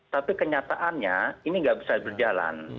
tapi kenyataannya ini nggak bisa berjalan